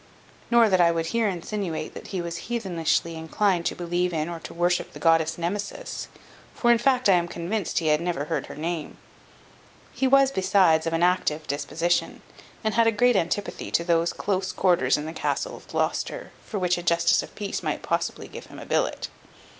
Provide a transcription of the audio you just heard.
Not that I would here insinuate that he was heathenishly inclined to believe in or to worship the goddess Nemesis; for, in fact, I am convinced he never heard of her name. He was, besides, of an active disposition, and had a great antipathy to those close quarters in the castle of Gloucester, for which a justice of peace might possibly give him a billet.